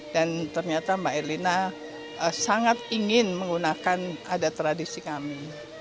dan ternyata mbak erlina sangat ingin menggunakan adat tradisi kami